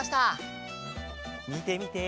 みてみて！